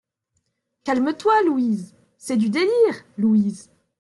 Calme-toi, Louise !… c'est du délire ! LOUISE.